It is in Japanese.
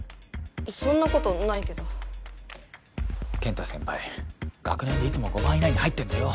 そんなことないけど健太先輩学年でいつも５番以内に入ってんだよ